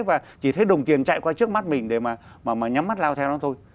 và chỉ thấy đồng tiền chạy qua trước mắt mình để mà nhắm mắt lao theo nó thôi